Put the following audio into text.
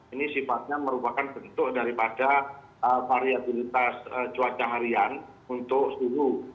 ini sifatnya merupakan bentuk daripada variabilitas cuaca harian untuk suhu